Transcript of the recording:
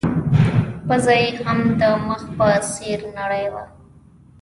پزه يې هم د مخ په څېر نرۍ وه.